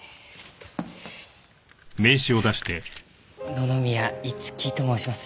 野々宮樹と申します。